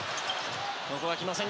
ここは来ません。